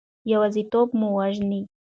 یوازیتوب مو وژني.